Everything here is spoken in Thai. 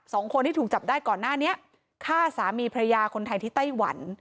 สองคนที่ถูกจับได้ก่อนหน้านี้ฆ่าสามีพระยาคนไทยที่ไต้หวัน